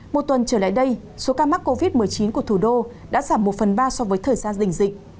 một tuần trở lại đây số ca mắc covid một mươi chín của thủ đô đã giảm một phần ba so với thời gian dình dịch